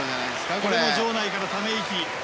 これも場内からため息。